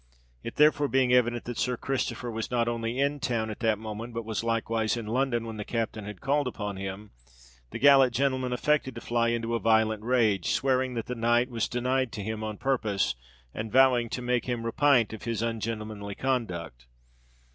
It therefore being evident that Sir Christopher was not only in town at that moment, but was likewise in London when the captain had called upon him, the gallant gentleman affected to fly into a violent rage, swearing that the knight was denied to him on purpose, and vowing to make him "repint of his un gintlemanly conduct."